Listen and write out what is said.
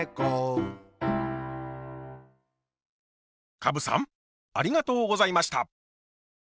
カブさんありがとうございました。